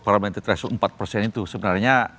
parlamen terhasil empat itu sebenarnya